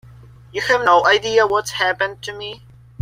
You have no idea what's happened to me.